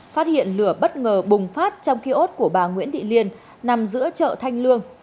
phát hiện lửa bất ngờ bùng phát trong kiosk của bà nguyễn thị liên nằm giữa chợ thanh lương